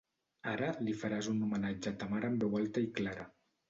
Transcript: Ara li faràs un homenatge a ta mare en veu alta i clara.